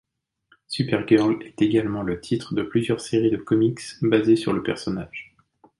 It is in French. Supergirl est également le titre de plusieurs séries de comics basées sur le personnage.